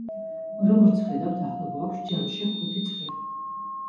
როგორც ხედავთ, ახლა გვაქვს ჯამში ხუთი წრე.